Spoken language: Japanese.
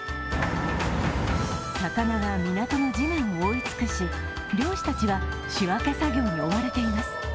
魚は港の地面を覆い尽くし、漁師たちは、仕分け作業に追われています。